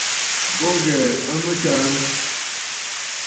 Bo ghɛɛ a mɨtaa.